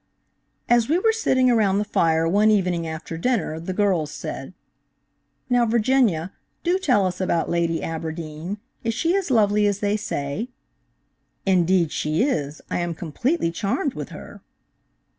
AS we were sitting around the fire one evening after dinner, the girls said: "Now, Virginia, do tell us about Lady Aberdeen; is she as lovely as they say?" "Indeed she is! I am completely charmed with her."